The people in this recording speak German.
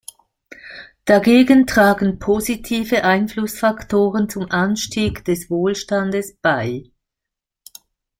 Dagegen tragen positive Einflussfaktoren zum Anstieg des Wohlstandes bei.